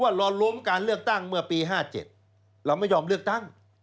เราล้มการเลือกตั้งเมื่อปี๕๗เราไม่ยอมเลือกตั้ง